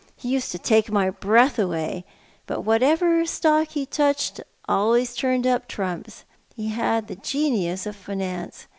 He used to take my breath away ; but what ever stock he touched always turned up trumps. He had the genius of finance.